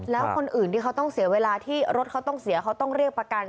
แล้วคนอื่นที่เขาต้องเสียเวลาที่รถเขาต้องเสียเขาต้องเรียกประกัน